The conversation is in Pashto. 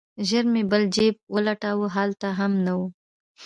ژر مې بل جيب ولټاوه هلته هم نه و.